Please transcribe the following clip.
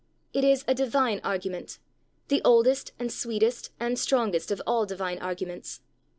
It is a divine argument, the oldest, and sweetest, and strongest of all divine arguments.